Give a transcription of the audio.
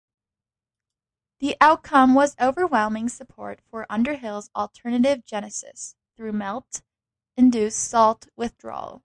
The outcome was overwhelming support for Underhill's alternative genesis through melt-induced salt withdrawal.